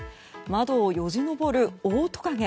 窓をよじ登るオオトカゲ。